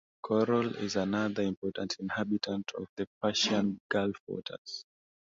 Coral is another important inhabitant of the Persian Gulf waters.